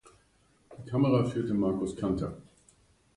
Die Kamera führte Marcus Kanter.